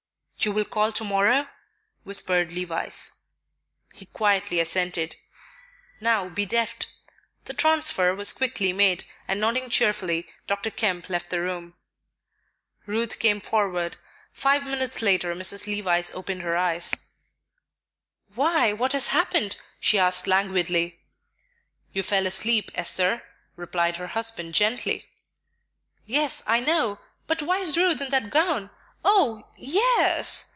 "You will call to morrow?" whispered Levice. He quietly assented. "Now be deft." The transfer was quickly made, and nodding cheerfully, Dr. Kemp left the room. Ruth came forward. Five minutes later Mrs. Levice opened her eyes. "Why, what has happened?" she asked languidly. "You fell asleep, Esther," replied her husband, gently. "Yes, I know; but why is Ruth in that gown? Oh ye es!"